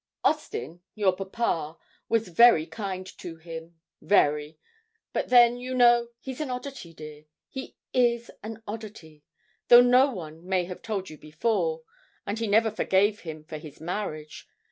'Austin your papa was very kind to him very; but then, you know, he's an oddity, dear he is an oddity, though no one may have told you before and he never forgave him for his marriage.